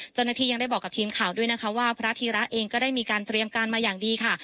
เจ้าหน้าที่ยังได้บอกกับทีมข่าวด้วยนะคะว่าพระธีระเองก็ได้มีการเตรียมการมาอย่างดีค่ะ